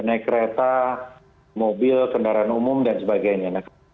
naik kereta mobil kendaraan umum dan sebagainya